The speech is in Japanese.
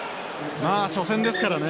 まあ初戦ですからね。